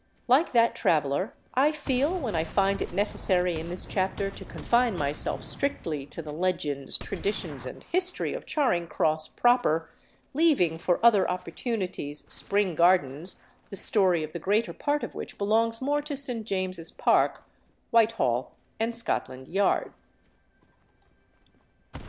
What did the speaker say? Like that traveller I feel, when I find it necessary in this chapter to confine myself strictly to the legends, traditions, and history of Charing Cross proper, leaving for other opportunities Spring Gardens, the story of the greater part of which belongs more to St. James's Park, Whitehall, and Scotland Yard.